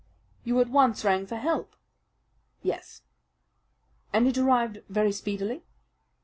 "You at once rang for help?" "Yes." "And it arrived very speedily?"